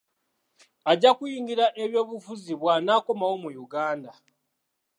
Ajja kuyingira ebyobufuzi bw'anaakomawo mu Uganda.